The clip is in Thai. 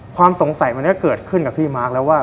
ความสงสัยวันนี้เกิดขึ้นกับพี่มาร์คแล้วว่า